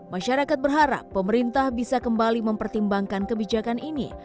masyarakat berharap pemerintah bisa kembali mempertimbangkan kebijakan ini